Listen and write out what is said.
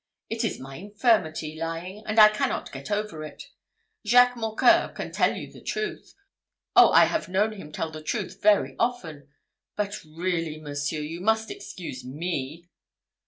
It is my infirmity, lying, and I cannot get over it. Jacques Mocqueur can tell the truth. Oh, I have known him tell the truth very often; but really, monseigneur, you must excuse me."